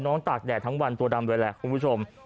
ตากแดดทั้งวันตัวดำเลยแหละคุณผู้ชม